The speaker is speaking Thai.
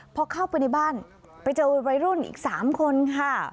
พอเข้าไปในบ้านไปเจอวัยรุ่นอีก๓คนค่ะ